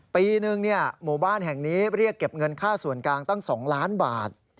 ปีหนึ่งหมู่บ้านแห่งนี้เรียกเก็บเงินค่าส่วนกลางตั้ง๒ล้านบาท